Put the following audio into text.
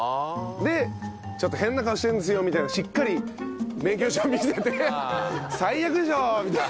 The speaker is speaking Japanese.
でちょっと「変な顔してるんですよ」みたいなしっかり免許証見せて「最悪でしょ？」みたいな。